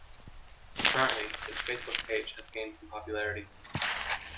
Currently, its Facebook page has gained some popularity.